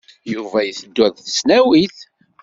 Yuba iteddu ɣer tesnawit.